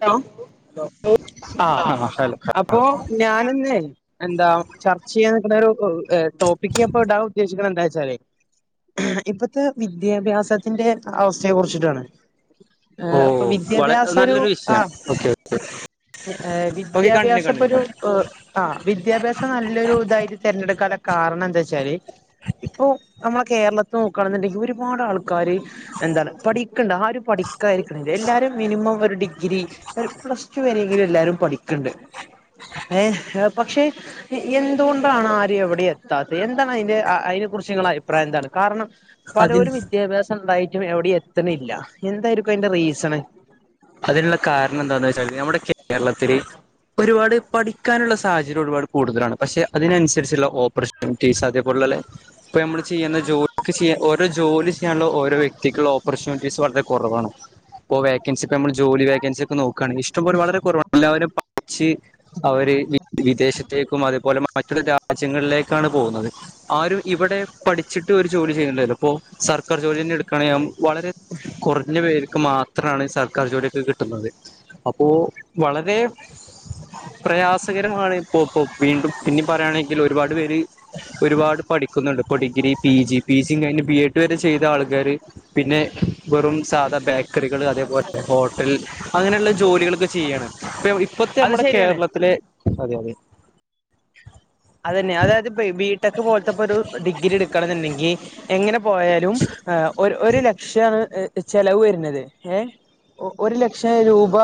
Hello ആ ആഹ് hello അപ്പൊ ഞാൻ ഇന്ന് എന്താ ചർച്ച ചെയ്യാൻ നിൽക്കുന്ന ഒരു ടോപ്പിക്ക് ഇപ്പോ ഇടാൻ ഉദ്ദേശിക്കണ എന്താ വെച്ചല്ലേ ഇപ്പത്തെ വിദ്യാഭ്യാസത്തിന്റെ അവസ്ഥയെ കുറിച്ചിട്ടാണ് ഓ വള വിദ്യാഭ്യാസം ഒരു നല്ലൊരു ആ വിഷയം ഓക്കെ ഓക്കെ ഓക്കെ കണ്ടിന്യൂ വിദ്യാഭ്യാസം ഇപ്പൊ കണ്ടിന്യൂ ഒരു കണ്ടിന്യൂ ആ വിദ്യാഭ്യാസം നല്ലൊരു ഇതായി തെരഞ്ഞെടുക്കല്ലോ കാരണം എന്താ വെച്ചാല് ഇപ്പോ നമ്മളെ കേരളത്തി നോക്കുകയാണെന്നുണ്ടെങ്കിൽ ഒരുപാട് ആൾക്കാര് എന്താണ് പഠിക്കണ്ട ആ ഒരു ിക്കായിരിക്കണ [unintelligible] എല്ലാരും മിനിമം ഒരു ഡിഗ്രി ഒരു പ്ലസ് ടു വരെയെങ്കിലും എല്ലാരും പഠിക്കണ്ട് ഏ പക്ഷെ എന്തുകൊണ്ടാണ് ആരും എവിടെ എത്താത്തെ എന്താണ് അയിന്റെ അയി കുറിച്ച് ഇങ്ങളുടെ അഭിപ്രായം എന്താണ് കാരണം അതിന് പലോരും വിദ്യാഭ്യാസം ഇണ്ടായിട്ടും എവിടേം എത്തണില്ല എന്തായിരിക്കും അയിന്റെ റീസൺ അതിനുള്ള കാരണം എന്താന്ന് വെച്ചാലോ നമ്മുടെ കേരളത്തിൽ ഒരുപാട് പഠിക്കാനുള്ള സാഹചര്യം ഒരുപാട് കൂടുതലാണ് പക്ഷെ അതിനനുസരിച്ചുള്ള ഓപ്പർച്യൂണിറ്റിസ് അതേ പോലുള്ള ഇപ്പോൾ നമ്മൾ ചെയ്യുന്ന ജോലി ചെയ്യാ ഓരോ ജോലി ചെയ്യാനുള്ള ഓരോ വ്യക്തിക്കുള്ള ഓപ്പർച്യൂണിറ്റീസ് വളരെ കുറവാണ് ഇപ്പോ വേക്കൻസി ഇപ്പോ നമ്മള് ജോലി വേക്കൻസി ഒക്കെ നോക്കാണെങ്കി ഇഷ്ടം പോലെ വളരെ കുറവാണ് എല്ലാവരും പഠിച്ച് അവര് വിദേശത്തേക്കും അതേപോലെ മറ്റുള്ള രാജ്യങ്ങളിലേക്കാണ് പോകുന്നത്. ആരും ഇവിടെ പഠിച്ചിട്ട് ഒരു ജോലി ചെയ്യുന്നില്ലല്ലോ ഇപ്പോ സർക്കാർ ജോലിയന്നെ എടുക്കാണെങ്കി വളരെ കൊറഞ്ഞ പേർക്ക് മാത്രാ ണ് സ ർ ക്കാർ ജോലിയൊക്കെ കിട്ടുന്നത അപ്പോ വളരെ പ്രയാസകരമാണ് ഇപ്പോ ഇപ്പോ വീണ്ടും പിന്നെ പറയാണെങ്കിൽ ഒരുപാട് പേര് ഒരുപാട് പഠിക്കുന്നുണ്ട് ഇപ്പൊ degree P G P G കഴിഞ്ഞു ബി എഡ് വരെ ചെയ്ത ആൾക്കാര് പിന്നെ വെറും സാധാ ബേക്കറികൾ അതേപോലെ ഹോട്ടൽ അങ്ങനെയുള്ള ജോലികളൊക്കെ ചെയ്യാണ്. ഇപ്പ ഇപ്പത്തെ അത് നമ്മുടെ ശരിയാണ് കേരളത്തിലെ അതെ അതെ അതന്നെ അതായത് ബിടെക് പോലത്തെ ഒരു ഡിഗ്രി എടുക്കണം എന്നുണ്ടെങ്കി എങ്ങനെ പോയാലും ഒര് ഒരു ലക്ഷം ചെലവ് വരുന്നത് ഏ ഒരു ലക്ഷം രൂപ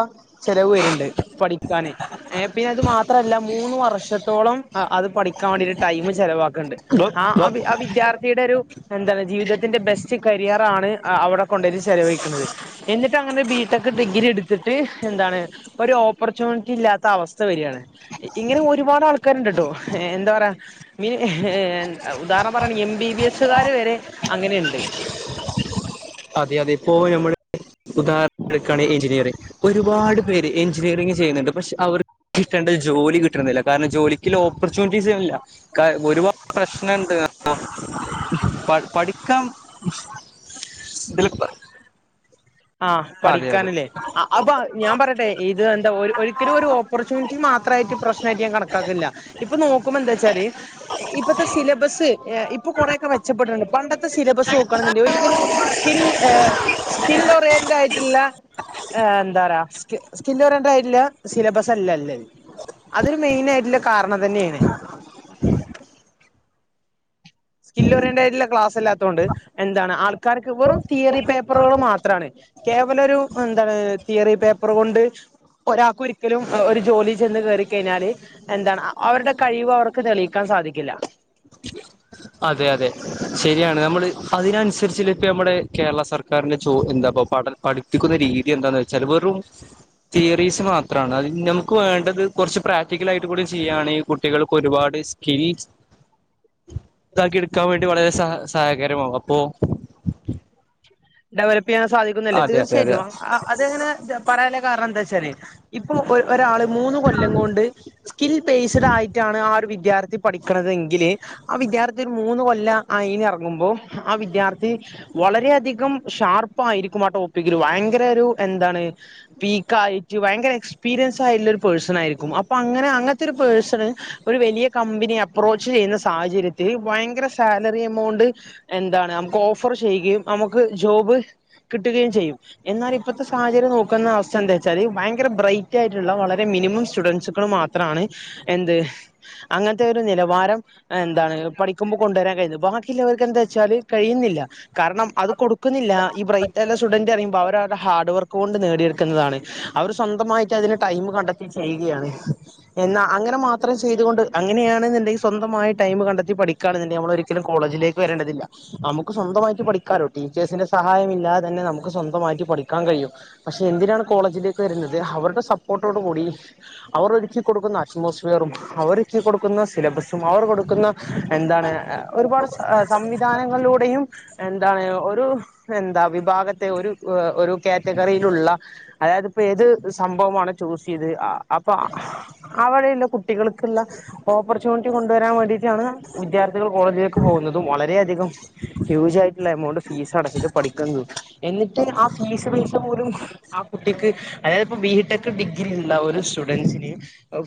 ചെലവ് വര്ണ്ട് പഠിക്കാന് ഏ പിന്നെ അത് മാത്രല്ല മൂന്ന് വർഷത്തോളം അത് പഠിക്കാൻ വേണ്ടിട്ട് ടൈം ചെലവാക്കണ്ട് ആ ആ വിദ്യാർത്ഥിയുടെ ഒരു എന്താണ് ജീവിതത്തിന്റെ ബെസ്റ്റ് കരിയർ ആണ് അവിടെ കൊണ്ട ചെലവഴിക്കുന്നത് എന്നിട്ട് അങ്ങനെ ബിടെക് ഡിഗ്രി എടുത്തിട്ട് എന്താണ് ഒരു ഓപ്പർച്യൂണിറ്റി ഇല്ലാത്ത അവസ്ഥ വരിയാണ്. ഇങ്ങനെ ഒരുപാട് ആൾക്കാരുണ്ടട്ടോ എന്താ പറയാ മ ഏ ഉദാഹരണം പറയണ എം ബി ബി എസുകാാര് വരെ അങ്ങനെയുണ്ട് ഉദാഹരണ എടുക്കാണങ്കി എഞ്ചിനീയറിംഗ ഒരുപാട് പേര് എഞ്ചിനീയറിംഗ് ചെയ്യുന്നുണ്ട് പക്ഷെ അവർ കിട്ടേണ്ട ജോലി കിട്ട്ണില്ല കാരണം ജോലിക്ക്ല്ല ഓപ്പർച്യൂണിറ്റീസ ഇല്ല ഒരുപാട് പ്രശ്നംണ്ട് പഠിക്കാൻ [unintelligible] ആഹ അതെ അതെ പഠിക്കാനല്ലേ അപ്പൊ ഞാൻ പറയട്ടെ ഇത് എന്താ ഒരിക്കലും ഒരു ഓപ്പർച്യൂണിറ്റി മാത്രം പ്രശ്നായിട്ട് ഞാൻ കണക്കാക്കില്ല ഇപ്പൊ നോക്കുമ്പോ എന്താ വെച്ചാല് ഇപ്പഴത്തെ സിലബസ് ഇപ്പൊ കുറൊക്കെ മെച്ചപ്പെട്ടിട്ടുണ്ട് പണ്ടത്തെ സിലബസ് നോക്കാണെന്നുണ്ടെങ്കി ഒരിക്കലും സ്കിൽ ഏ [unintelligible] [unintelligible] സിലബസ് അല്ലല്ല അതൊരു മെയിന ആയിട്ടുള്ള കാരണം അതന്നെയാണ് സ്കിൽ വരേണ്ടതായിട്ടുള്ള ക്ലാസ് അല്ലാത്തുകൊണ്ട് എന്താണ് ആൾക്കാർക്ക് വെറും തിയറി പേപ്പ പേപ്പറുകൾ മാത്രാണ്. കേവല ഒരു എന്താണ് തിയറി പേപ്പർ കൊണ്ട് ഒരാൾക്ക ഒരിക്കലും ഒരു ജോലി ചെന്ന് കേറി കഴിഞ്ഞാല് എന്താണ് അവരുടെ കഴിവ് അവർക്ക് തെളിക്കാൻ സാധിക്കില്ല. അതെ അതെ ശരിയാണ് നമ്മള് അതിനനുസരിച്ച ഇപ്പ നമ്മുടെ കേരള സർക്കാ ന്റെ ചോ എന്താപ്പ പഠ പഠിപ്പിക്കുന്ന രീതി എന്താന്ന് വെച്ചാൽ വെറും തിയറീസ് മാത്രാണ് അത് നമുക്ക് വേണ്ടത് കൊർച്ച് പ്രാക്ടിക്കല ആയിട്ട് കൂടി ചെയ്യുകയാണെങ്കിൽ കുട്ടികൾക്ക് ഒരുപാട് സ്കിൽസ് [inaudible] ഇതാക്കി എടുക്കാൻ വേണ്ടി വളരെ സഹ സഹകരയമാവും അപ്പൊ ഡെവലപ്പ് ചെയ്യാൻ സാധിക്കുന്നില്ലേ തീർച്ചയായിട്ടും അതെങ്ങനെ പറാൻ ള്ള കാരണം എന്താ ശരി ഇപ്പൊ ഒര് ഒരാള് മൂന്ന് കൊല്ലം കൊണ്ട് സ്കിൽ ബേസ്ഡ് ആയിട്ടാണ് ആ ഒരു വി വിദ്യാർത്ഥി പഠിക്കണതെങ്കില് ആ വിദ്യാർത്ഥി ഒരു മൂന്ന് കൊല്ലം അയനി ഇറങ്ങുമ്പോ ആ വിദ്യാർത്ഥി വളരെയധികം ഷാർപ്പ ആയിരിക്കും ആ ടോപ്പിക്കിൽ ഭയങ്കര ഒരു എന്താണ് പീക്ക് ആയിട്ട് ഭയങ്കര എക്സ്പീരി [unintelligible] പേഴ്സൺ ആയിരിക്കും അപ്പൊ അങ്ങനെ അങ്ങനത്തെ ഒരു പേഴ്സൺ ഒരു വലിയ കമ്പനി അപ്രോച്ച് ചെയ്യ്ന്ന. സാഹചര്യത്തിൽ ഭയങ്കര സാലറി എമൗണ്ട് എന്താണ് നമുക്ക് ഓഫർ ചെയ്യുകയും നമുക്ക് ജോബ് കിട്ടുകയും ചെയ്യും എന്നാൽ ഇപ്പത്തെ സാഹചര്യം നോക്കുന്ന അവസ്ഥ എന്താ വെച്ചാല് ഭയങ്കര ബ്രൈ റ്റ് ആയിട്ടുള്ള വളരെ മിനിമം സ്റ്റുഡൻറ്സുകൾ മാത്രമാണ് എന്ത് അങ്ങനത്തെ ഒരു നിലവാരം എന്താണ് പഠിക്കുമ്പോ കൊണ്ടുവരാൻ കഴിയുന്നത് ബാക്കിയുള്ളവർക്ക് എന്താ വെച്ചാല് കഴിയുന്നില്ല കാരണം അത് കൊടുക്കുന്നില്ല ഈ ബ്രൈറ്റ് ആ സ്റ്റുഡന്റ് അറിമ്പോ അവര ഹാർഡ് വർക്ക് കൊണ്ട് നേടിയെടുക്കുന്നതാണ് അവർ സ്വന്തമായിട്ട് അതിന് ടൈം കണ്ടെത്തി ചെയ്യുകയാണ്. എന്നാ അങ്ങനെ മാത്രേ ചെയ്ത കൊണ്ട് അങ്ങനെയാണെന്നുണ്ടെങ്കിൽ സ്വന്തമായി ടൈമ് കണ്ടെത്തി പഠിക്കുകണ എന്നുണ്ടെിൽ നമ്മള ഒരിക്കലും കോളേജ് േക്ക് വരേണ്ടതില്ല നമുക്ക് സ്വന്തമായിട്ട് പഠിക്കാലോട്ടീ ച്ചേഴ്സിന്റെ സഹായംില്ലാതെ തന്നെ നമുക്ക് സ്വമായി് പഠിക്കാൻ കഴിയും പക്ഷെ എന്തിനാണ് കോളേജിലേക്ക് വരുന്നത് അവർ സപ്പോട്ടോട് കൂടി അവർൊക്കി കൊടുക്കുന്ന അറ്റ്മോസ്ഫിയറും അവർക്കി കൊടുക്കുന്ന സിലബസും അവർ കൊടുക്കുന്ന എന്താണ് ഒരുപാട് സംവിധാനങ്ങളിലൂടെയും എന്താണ് എന്താ വിഭാഗത്തെ ഒരു കാറ്റഗറിയിലുള്ള അതായത്പ്പോ ഏത് സംഭവമാണ് ചൂസ് ചെയ്ത് അപ്പൊ അഴയുള്ള കുട്ടികൾക്കുള്ള ഓപ്പർച്യൂണിറ്റി കൊണ്ട് ൻ വേണ്ടിട്ടാണ് വിദ്യാർത്ഥികൾ കോളേജിലേക്ക് പോകുന്നതും വളരെയധികം ഹൂജ് ആയിട്ടുള്ള എമൗണ്ട് ഫീസ് അടച്ചിട്ട് പഠിക്ക എന്നിട്ട് ആ ഫീസ് പേസ പോലും ആ കുട്ടിക്ക് അതായത്പ്പോ ബിടെക് ഡിഗ്രി ഉള്ള ഒരു സ്റ്റുഡൻറ്സിന്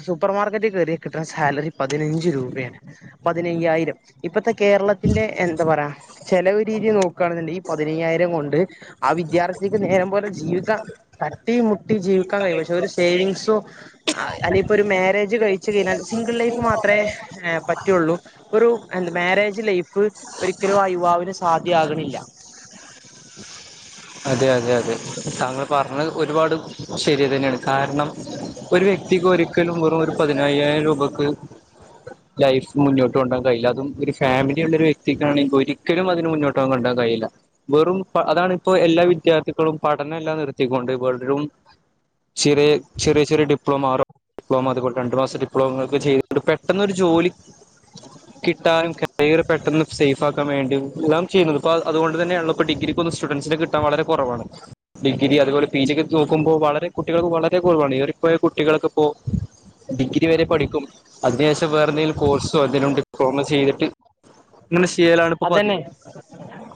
സൂപ്പർ മാർക്കറ്റ് കയറിയ കിട്ടുന്ന സാലറി പതിനഞ്ച് രൂപ രൂപയാണ് പതിനയ്യായിരം ഇപ്പത്തെ കേരളത്തിന്റെ എന്താ പറയാ ചെലവ് രീതി നോക്ക ണ ഈ പതിനയ്യായിരം കൊണ്ട് ആ വിദ്യാർത്ഥിക്ക് നേരം പോലെ ജീവിതം ത കുട്ടി മുട്ടി ജീവിക്കാൻ കഴിയും പക്ഷെ ഒരു സേവിങ്സോ അല്ല ഇപ്പൊ ഒരു മാരേജ് കഴിച്ചു കഴിഞ്ഞാൽ സിംഗിൾ ലൈഫ് മാത്രമേ് പറ്റയുള്ളൂ ഒരു എ മാരേജ് ലൈഫ് ഒരിക്കലും ആ യുവാവിന് സാധ്യമാ ആകണില്ല ഞജ്ഗ്ഫ്ഫ് അതെ അതെ അതെ താങ്കൾ പറഞ്ഞത് ഒരുപാട് ശരിയ തന്നെയാണ് കാരണം ഒരു വ്യക്തിക്ക് ഒരിക്കലും വെറും ഒരു പതിനയ്യായിരം രൂപയ്ക്ക് ജ്ജ്ജ്ഹ് ലൈഫ് മുന്നോട്ട് കൊണ്ടാൻ കഴയി അും ഒരു ഫാമിലി ഉള്ള ഒരു വ്യക്തിക്കാണെങ്കിൽ ഒരിക്കലും അതിന് മുന്നോട്ട് കണ്ടാ കഴയില്ല വെറും അതാണ് ഇപ്പോൊ എല്ലാ വിദ്യാർത്ഥികളും പഠനം എല്ലാം നിർത്തിക്കൊണ്ട് ഇറും ചെറിയ ചെറിയ ചെറ ഡി്ലമ ഡിപ്ലോമ അതുപോലെ രണ്ടു മാസ വിപ്ലവങ്ങളൊക്കെ ചെയ്ുന്നുണ്ട് പെട്ടെന്നൊരു ജോലി കിട്ടാനും കയറി പെട്ടെന്ന് സേഫ് ആാക്കാൻ വേണ്ടി എല്ലാം ചെയ്യുന്നത് അപ്പ അതുകൊണ്ട് തന്നെയ ഉള്ളപ്പോ ഡിഗ്രിക്ക്ൊ സ്റ്റുഡൻറ്സിിന കിാൻ വളരെ കുറവാണ് ഡിഗ്രി അതുപോലെ പി ജി ഒക്ക് നോക്കുമ്പോൾ വളരെ കുട്ടികൾക്ക് വളരെ കുറവാണ് ഈ ഒരു പോയ കുട്ടികൾക്ക്പ്പോ ഡിഗ്രി വരെ പഠിക്കും അതിനശേഷം വേറെ എന്തെങ്കിലും കോഴ്സോ അതിലുണ്ട് കോമസ് ചെയി അതന്നെ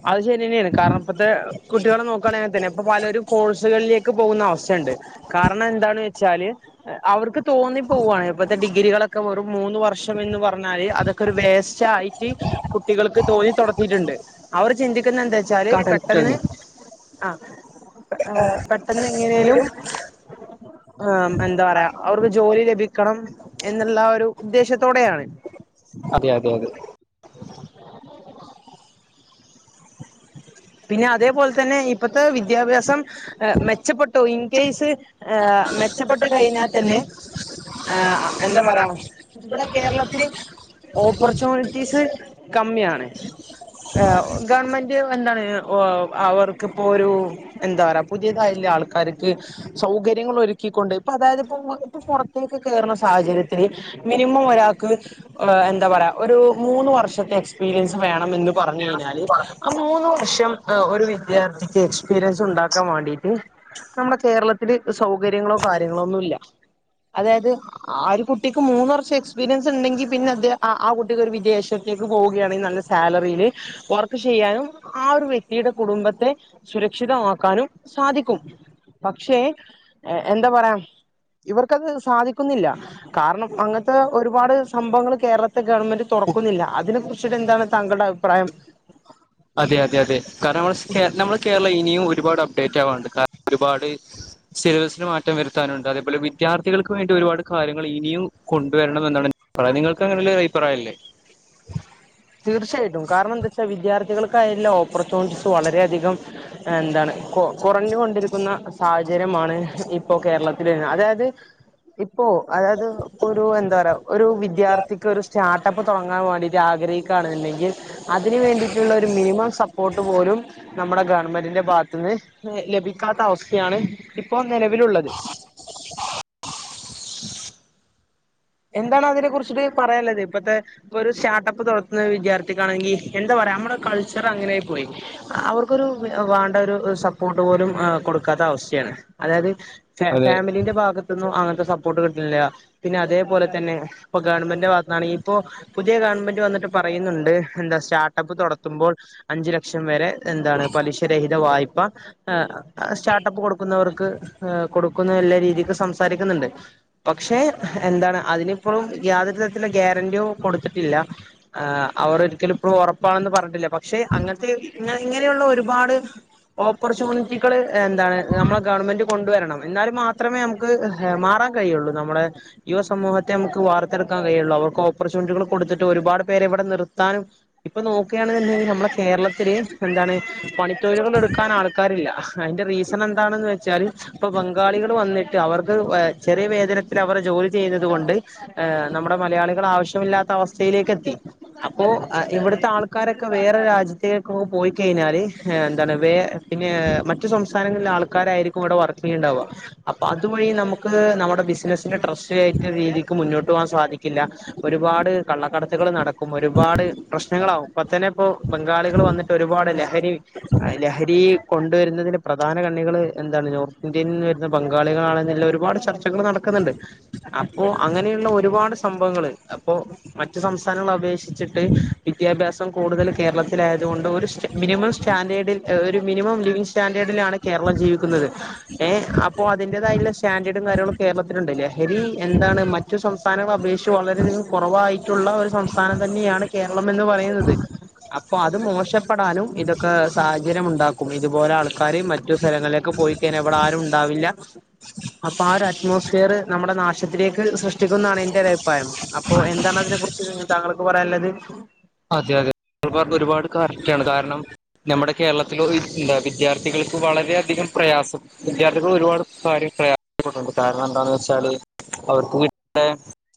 അത് ശരിയന്നെയാണ് കാരണം ഇപ്പത്തെ കുട്ടികള നോക്കുകവാണിൽ തന്നെപ്പോ പലര കോഴ്സുകൾ പോുന്ന അവസ്ഥുണ്ട് കാരണം എന്താന്ന് വെച്ചാല് അവർക്ക് തോന്നിപ്പോവയാണ് ഇപ്പഴത്തെ ഡിഗ്ര കരികളൊക്കെ ഒരു മൂന്ന് വർഷംന്ന് പറഞ്ഞാല് അതൊക്കെ വേസ്റ്റ് ആയിട്ട് തോന്നി തുത്തിട്ടുണ്ട് അവര് ചിന്തിക്കുന്ന എന്താ വെച്ചാല് പെട്ടെന്ന് കടൽക്കണി വരും ആ പെട്ടെന്ന് എങ്ങനെലും ആ എന്താ പറയാ അവർക്ക് ജോലി ലഭിക്ക ക്കണം എന്നുള്ള ഒരു ഉദ്ദേശത്തോടെയാണ് അതെ അതെ അതെ [unintelligible] പിന്നെ അതേപോലെ തന്നെ ഇപ്പത്തെ വിദ്യാഭ്യാസം മെച്ചപ്പെട്ടോ ഇൻ കേസ് മെച്ചപ്പെട്ടു കഴിഞ്ഞാൽ തന്നെ ആ എന്താ പറയാ ഇവിടെ കേരളത്തില്ൽ ഓപ്പർച്യൂ ഓപ്പർച്യൂണിറ്റീസ് കമ്മിയാണ് ഗവൺമെന്റ് എന്താണ് അവർക്കിപ്പോ ഒരു എന്താ പറ പുതിയതായ ആൾക്കാർക്ക് സൗകര്യങ്ങൾ ഒരുക്ക ണ്ട് ഇപ്പൊ അതായത് ഇപ്പ ഇപ്പൊ പുറത്തേക്ക് കേയറുന്ന സാഹചര്യത്തില്ൽ മിനിമം ഒരാൾക്ക് എന്താ പറയാ ഒരു മൂന്ന് വർഷത്തെ എക്സ്പീരിയൻസ് വേണ പറഞ്ഞു കഴിഞ്ഞാല് ആ മൂന്ന് വർഷം ഒരു വിദ്യാർത്ഥിക്ക് എക്സ്പീരിയൻസ് ഉണ്ടാക്കാൻ വേണ്ടിട്ട് നമ്മുടെ കേരളത്തില്ൽ സൗകര്യങ്ങളോ കാര്യങ്ങളോ ഒന്നും ഇല്ല അതായത് ആ ഒരു കുട്ടിക്ക് മൂന്ന് വർഷം എക്സ്പീരിയൻസ് ഉണ്ടെങ്കി പിന്നെ അത് ആ കുട്ടിക്ക് ഒരു വിദേേഷം പോുകയാണെങ്കിൽ നല്ല സാലറിയില് ചെയ്യാനും ആ ഒരു വ്യക്തിയുടെ കുടുംബത്തെ സുരക്ഷിതമാക്കാനും സാധിക്കും പക്ഷേ എന്താ പറയാം ഇവർക്കത് സാധിക്കുന്നില്ല കാരണം അങ്ങനത്തെ ഒരുപാട് സംഭവങ്ങൾ കേരളത്തെ ഗവൺമെന്റ് തുറക്കുന്നില്ല അതിനെ കുറിച്ചിട്ട് എന്താണ് താങ്കളുടെ അഭിപ്രായം അതെ അതെ അതെ കാരണം നമ്മ നമ്മുടെ കേരളം ഇനിയും ഒരുപാട് അപ്ഡേറ്റ് ആവാണ്ട് ഒരുപാട് സിലബസിന് മാറ്റം വരുത്താനുണ്ട് അതേപോലെ വിദ്യാർത്ഥികൾക്ക് വേണ്ടി ഒരുപാട് കാര്യങ്ങൾ ഇിയും കൊണ്ടുവരണംമെന്നാണ് പറയാ നിങ്ങൾക്ക് അങ്ങനെയുള്ള അഭിപ്രായമല്ലേ [inaudible] തീർച്ചയായിട്ടും കാരണം എന്താ വെച്ചാൽ വിദ്യാർത്ഥികൾക്കായല്ലാം ഓപ്പർച്യണിീസ് വളരെയധികം എന്താണ് കൊ കുറഞ്ഞുക കൊണ്ടിരിക്കുന്ന സാഹചര്യമാണ് ഇപ്പൊ കേരളത്തി വ അതായത് ഇ ഇപ്പോ അതായത് ഇപ്പോൊ ഒരു എന്താ പറയ ഒരു വിദ്യാർത്ഥിക്ക് ഒരു സ്റ്റാർട്ടപ്പ് തുടങ്ങാൻ വേണ്ടിയിട്ട് ആഗ്രഹിക്ക കാണണ്ടെങ്കിൽ അതിനന് വേണ്ടിയിട്ടുള്ള ഒരു മിനിമം സപ്പോർട്ട് പോലും നമ്മുടെ ഗവൺമെന്റിന്റെ ഭാഗത്ത നിന്ന് ലഭിക്കാത്ത അവസ്ഥയാണ് ഇപ്പോ നിലവിലുള്ളത് എന്താണ് അതിനെ കുററിിച്ച് പറയാനുള്ളത് ഇപ്പഴത്തെ ഒരു സ്ാർട്ടപ്പ് തുറത്തുന്ന വിദ്യാർത്ഥിക്കാണെങ്കിൽ എന്താ പറ ന കൾച്ചർ അങ്ങനെ പോയി അവർക്കൊരു വേണ്ടാരുസപ്പോർട്ട് പോലും കൊടുക്കാത്ത സ്ഥയാണ് അതായത് അതെ ഫാമിലിന്റെ ഭാഗത്തൊന്നും അങ്ങനത്തെ സപ്പോർട്ട് കിട്ടുന്നില്ല പിന്നെ അതേ അതുപോലെ തന്നെ ഇപ്പൊ ഗവൺമെന്റന്റെ ഭാത്താണെിൽ ഇപ്പോൊ പുതിയ ഗവൺമെന്റ് വന്നിട്ട് പറയുന്നുണ്ട് എന്താ സ്റ്റർട്ടപ്പ് തുുമ്പോൾ അഞ്ച ലക്ഷം വരെ എന്താണ് പലിശരഹിത വായ്പ സ്റ്റാർ പ്പ കൊടുക്കുന്നവർക്ക് കൊടുക്കുന്ന എല്ലാ രീതിക്ക് സംസാരിക്കുന്നുണ്ട് പക്ഷേ എന്താണ് അതിനി ഇപ്പോഴും യാതൊരു തരത്തില ഗ്യാരന്റിയോ കൊടുത്തിട്ടില്ല അവർ ഒരിക്കലും ഇഴും ഉറപ്പാണ പറഞ്ഞിട്ടില്ല പക്ഷെ അങ്ങനത്തെ ഇങ്ങനെയുള്ള ഒരുപാട് ഓപ്പർച്യൂണിറ്റികൾ എന്താണ് നമ്മളെ ഗവൺമെന്റ് കൊണ്ടുവരണം എന്നാല് മാത്രമേ നമുക്ക് മാറാ ൻ കഴുള്ളൂ നമ്മുടെ യു സമൂഹത്തെ നമുക്ക് വാർത്തെടുക്കൻ കഴിയുള്ളൂ അവർക്ക് ഓപ്പർച്യൂണിറ്റികൾ കൊടുത്തിട്ട് ഒരുപാട് പേരെവിടെ നിർത്താനും ഇപ്പ നോക്കിയാണുണ്ടെങ്കിൽ നമ്മളെ കേരളത്തില് എന്താണ് പണി തൊഴിലുകൾ എടുക്കാൻ ആൾക്കാറില്ല അതിന്റെ റീസ- എന്താണെന്ന് വെച്ചാല് ഇപ്പ ബംഗാളികൾ വന്നിട്ട് അവർക്ക് ചെറിയ വേതനത്തിൽ അവര് ജോലി ചെയ്തത് കൊണ്ട് നമ്മുടെ മലയാളികൾ ആവശ്യമില്ലാത്ത അവസ്ഥയിലേക്ക് എത്തി അപ്പോ ഇവിടുത്തെ ആൾക്കാരൊക്കെ വേറെ രാജ്യത്തേക്ക് പോയിക്കഴിഞ്ഞാല് എന്താണ് ഹ് വേ പിന്നെ മറ്റു സംസ്ഥാനങ്ങളിലെ ആൾക്കാരായിരിക്കും ഇവിടെ വർക്ക് ചെയ്യേണ്ടാവുക അപ്പൊ അതുവഴി നമുക്ക് നമ്മുടെ ബിസിനസിന്റെ ട്രസ് രീതിക്ക് മുന്നോട്ട് പോകാൻ സാധിക്കില്ല ഒരുപാട് കള്ളക്കടത്തുകൾ നടക്കും ഒരുപാട് പ്രശ്ന പ്രശ്നങ്ങളാവും ഇപ്പ തന്നെ ഇപ്പോ ബംഗാളികൾ വന്നിട്ട് ഒരുപാട് ലഹരി ലഹരി കൊണ്ടുവരുന്നതിന് പ്രധാന കണ്ണികൾ എന്താണ് നോർത്ത് ഇന്ത്യയിൽ നിന്ന് വരുന്ന ബംഗാളികളാണെന്നുള്ള ഒരു ഒരുപാട് ചർച്ചകൾ നടക്കുന്നുണ്ട് അപ്പോ അങ്ങനെയുള്ള ഒരുപാട് സംഭവങ്ങൾ അപ്പോ മറ്റ് സംസ്ഥാനങ്ങളൾ അപേക്ഷിച്ചിട്ട് വിദ്യാഭ്യാസം കൂടുതൽ കേരളത്തിലായത് കൊണ്ട് ഒരു മിനിമം സ്റ്റാൻഡേർഡിൽ ഒരു മിനിമം ലിവിംഗ് സ്റ്റാൻഡേർഡിലാണ് കേരളം ജീവിക്കുന്നത് ഏഹ അപ്പൊ അതിന്റതായുള്ള സ്റ്റാൻഡേർഡും കാര്യങ്ങളൊും കേരളത്തിലുണ്ടല്ലേ ഹരി എന്താണ് മറ്റു സംസ്ഥാനങ്ങളൾ അപേക്ഷിച്ച് വളരെയധികം കുറവായിട്ടുള്ള ഒരു സംസ്ഥാനം തന്നെയാണ് കേരള എന്ന് പറയുന്നത് അപ്പൊ അത് മോശപ്പെടാനും ഇതൊക്കെ സാഹചര്യം ഉണ്ടാക്കും ഇതുപോലെ ആൾക്കാര് മറ്റു സ്ഥലങ്ങളിലേക്കെ പോയിക്കേന എവിടെ ആരും ഉണ്ടാവില്ല അപ്പൊ ആ ഒരു അറ്റ്മോസ്ഫിയർ നമ്മുടെ നാശത്തിലേക്ക് സൃഷ്ടിക്കുന്നതാണ് എന്റെ ഒരുരഭിപ്രായം അപ്പൊ എന്താണ് അതിനെ കുറിച്ച് നി താങ്കൾക്ക് പറയാനുള്ളത്?? അതെ അതെ ആൾക്കാർക്ക് ഒരുപാട് കറക്റ്റ് ആണ് കാരണം നമ്മുടെ കേരളത്തിലോ എന്താ വിദ്യാർത്ഥികൾക്ക് വളരെയധികം പ്രയാസം വിദ്യാർത്ഥികൾ ഒരുപാട് പ്പെണ്ട് എന്താന്ന് വെച്ചാല് അവർക്ക്ട്ട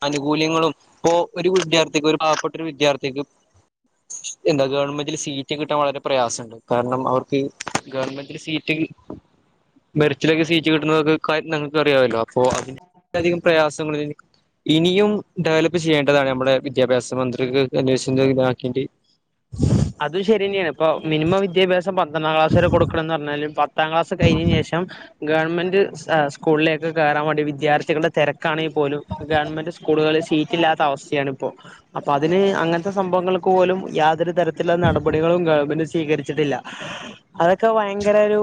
ആനുകൂല്യങ്ങളും ഇ ഒരു വിദ്യാർത്ഥിക്ക് ഒരു പാവപ്പെട്ടൊരു ഒരു വിദ്യാർത്ഥിക്ക് [unintelligible] എന്താ ഗവണ്മെന്റില് സീറ്റ് കിട്ടാൻ വളരെ പ്രയാസമുണ്ട് കാരണം അവർക്ക് ഗവണ്മെന്റില് സീറ്റ് മെരിറ്റിലൊക്കെ സീറ്റ് കിട്ടുന്നതൊക്കൊര്യഞങ്ങൾക്ക് അറിയാല്ലോ അപ്പൊ അതി അധികം പ്രയാസങ്ങള ഇനിയും ഡെവലപ്പ് ചെയ്യേണ്ടതാണ് നമ്മുടെ വിദ്യാഭ്യാസ മന്ത്രിക്ക് ന്തരു ഇതാക്കിട്ട് അത് ശരി തന്നെയാണ് ഇപ്പ മിനിമം വിദ്യാഭ്യാസ പന്ത്രണ്ടാം ക്ലാസ് വരെ കൊടുക്കണന്ന് പറഞ്ഞാല് പ പത്താം ക്ലാസ് കഴിഞ്ഞതിന് ശേഷം ഗവൺമെന്റ് സ്കൂളിലേക്ക് കയറാൻ വേണ്ടി വിദ്യാർത്ഥികള തിര- കാണെങ്കിൽ പോലും ഗവൺമെന്റ് സ്കൂളുകളിൽ സീറ്റ് ഇല്ലാത്ത അവസ്ഥയാണ് ഇപ്പോ അപ്പൊ അതിന് അങ്ങനത്തെ സംഭവങ്ങൾക്ക് പോലും യാതൊരു തര എല്ലാ നടപടികളും ഗവൺമെന്റ് സ്വീകരിച്ചിട്ടില്ല അതൊക്കെ ഭയങ്കര ഒരു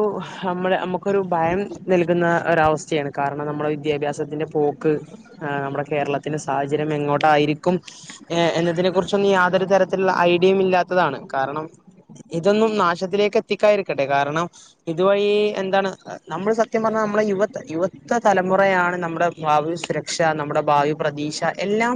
നമ്മൾ നമുക്കൊരു ഭയം നൽകുന്ന ഒരവസ്ഥയാണ് കാരണം നമ്മുടെ വിദ്യാഭ്യാസത്തിന്റെ പോക്ക് നമ്മുടെ കേരളത്തിന്റെ സാഹചര്യം എങ്ങോട്ടായി. ക്കും എന്നതിനെ കുറിച്ചൊന്നും യാതൊരു തരത്തിലുള്ള ഐഡിയയും ഇല്ലാത്തതാണ് കാരണം ഇതൊന്നും നാശത്തിലേക്ക് എത്തിക്കാതിരിക്കട്ടെ കാരണം ഇതുവഴി എന്താണ് നമ്മൾ സത്യം പറഞ്ഞാ നമ്മളുടെ യുവ യുവത്തെ തലമുറയാണ് നമ്മുടെ ഭാവി സുരക്ഷ നമ്മുടെ ഭാവി പ്രതീക്ഷ എല്ലാം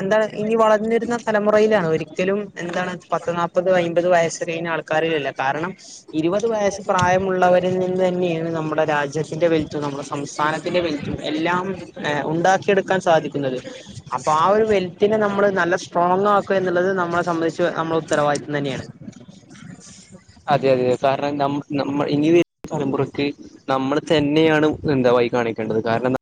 എന്താണ് ഇനി വളർന്നിരുന്ന തലമുറയിലാണ് ഒരിക്കലും എന്താണ് പത്ത് നാല്പ്പത് അയ്പത് വയസ് കഴിഞ്ഞ ആൾക്കാരിലല്ല കാരണം ഇരുപത് വയസ്സ് പ്രായമുള്ളവരിൽ നിന്ന് ന്നെയാണ് നമ്മുടെ രാജ്യത്തിന്റെ വലുത് നമ്മുടെ സംസ്ഥാനത്തിന്റെ വലുത് എല്ലാം ഉണ്ടാക്കിയെടുക്കാൻ സാധിക്കുന്നത് അപ്പൊ ആ ഒരു വെൽത്തിനെ നമ്മള് നല്ല സ്ട്രോങ് ആക്കുക എന്നുള്ളത് നമ്മളെ സംബന്ധിച്ച് നമ്മൾ ഉത്തര വാദിത്തം തന്നെയാണ് അതെ അതെ സർ നം നം ഇനി വരുന്ന തലമുറക്ക് നമ്മൾ തന്നെയാണ് വയി കാണിക്കേണ്ടത് കാരണം ന്താ